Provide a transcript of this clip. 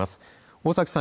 大崎さん